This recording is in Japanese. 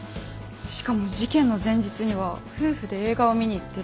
しかも事件の前日には夫婦で映画を見に行ってる。